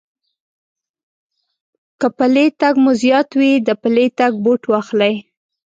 که پٔلی تگ مو زيات وي، د پلي تگ بوټ واخلئ.